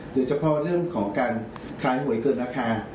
โดยเฉพาะเรื่องของการขายหวยเกินราคา